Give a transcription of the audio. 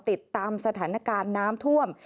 ติดตามสถานการณ์น้ำท่วม